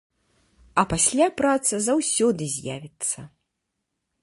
А пасля праца заўсёды з'явіцца.